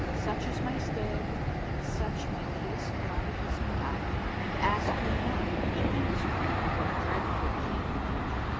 Such is my stead and such my case calamitous and dire * And ask me not, ye men of spunk, what dreadful teen I dree."